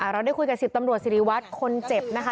เราได้คุยกับ๑๐ตำรวจสิริวัตรคนเจ็บนะคะ